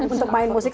untuk main musik